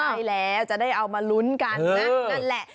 ใช่แล้วจะได้เอามาลุ้นกันนะนั่นแหละ